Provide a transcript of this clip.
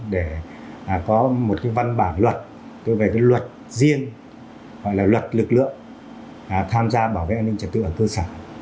để có một cái văn bản luật về cái luật riêng gọi là luật lực lượng tham gia bảo vệ an ninh trật tự ở cơ sở